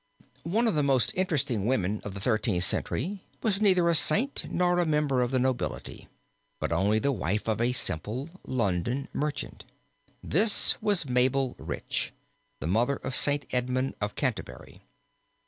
One of the most interesting women of the Thirteenth Century was neither a Saint nor a member of the nobility, but only the wife of a simple London merchant. This was Mabel Rich, the mother of Saint Edmund of Canterbury.